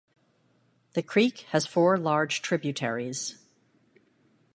The creek has four large tributaries.